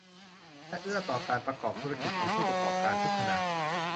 และเอื้อต่อการประกอบธุรกิจของผู้ประกอบการทุกขนาด